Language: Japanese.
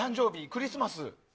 クリスマス？